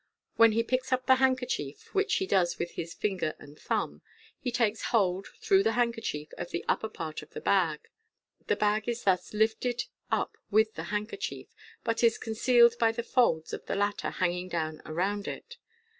When he picks up the handkerchief, which he does with his finger and thumb, he takes hold, through the handkerchief, of the upper part of the bag. The bag is thus lifted up within the handkerchief, but is concealed by the folds of the latter hanging down around it.